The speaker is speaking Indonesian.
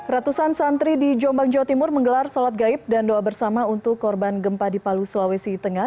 ratusan santri di jombang jawa timur menggelar sholat gaib dan doa bersama untuk korban gempa di palu sulawesi tengah